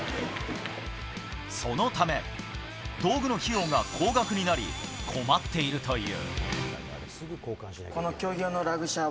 そのため道具の費用が高額になり、困っているという。